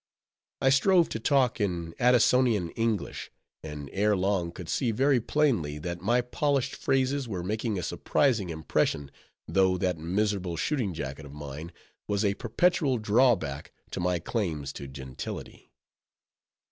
I strove to talk in Addisonian English, and ere long could see very plainly that my polished phrases were making a surprising impression, though that miserable shooting jacket of mine was a perpetual drawback to my claims to gentility.